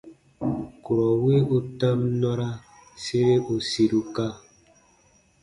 Kurɔ wi u tam nɔra sere u siruka.